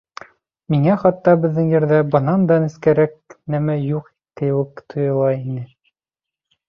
Миңә хатта беҙҙең Ерҙә бынан да нескәрәк нәмә юҡ кеүек тойола ине.